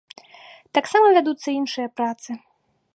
Таксама вядуцца іншыя працы.